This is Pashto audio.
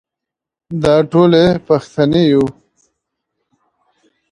دا ټولې پوښتنې يو.